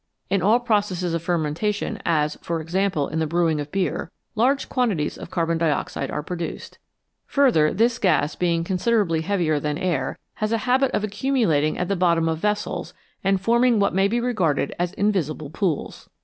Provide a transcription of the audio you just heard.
In all pro cesses of fermentation, as, for example, in the brewing of beer, large quantities of carbon dioxide are produced. Further, this gas, being considerably heavier than air, has a habit of accumulating at the bottom of vessels and 44 INVISIBLE SUBSTANCES forming what may be regarded as invisible pools.